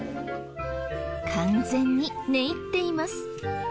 完全に寝入っています。